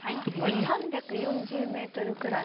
３４０ｍくらい？